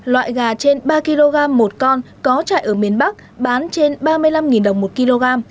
loại gà trên ba kg một con có trại ở miền bắc bán trên ba mươi năm đồng một kg